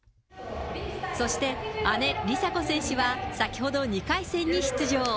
そして姉、梨紗子選手は先ほど２回戦に出場。